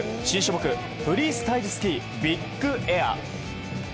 新種目、フリースタイルスキービッグエア。